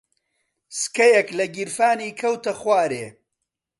سکەیەک لە گیرفانی کەوتە خوارێ.